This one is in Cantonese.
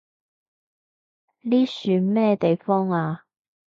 呢樹咩地方啊？